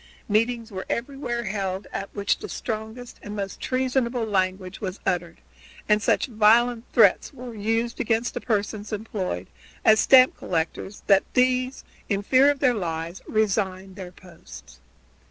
Meetings were everywhere held, at which the strongest and most treasonable language was uttered, and such violent threats were used against the persons employed as stamp collectors that these, in fear of their lives, resigned their posts.